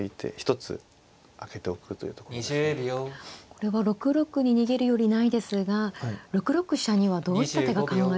これは６六に逃げるよりないですが６六飛車にはどういった手が考えられますか。